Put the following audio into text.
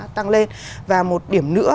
tăng lên và một điểm nữa